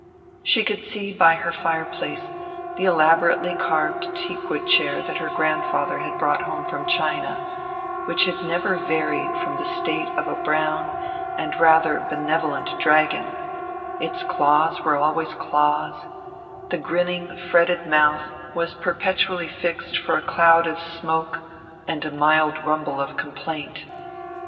She could see by her fireplace the elaborately carved teakwood chair that her grandfather had brought home from China, which had never varied from the state of a brown and rather benevolent dragon; its claws were always claws, the grinning fretted mouth was perpetually fixed for a cloud of smoke and a mild rumble of complaint.